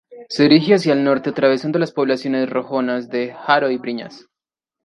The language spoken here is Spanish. Se dirige hacia el norte atravesando las poblaciones riojanas de Haro y Briñas.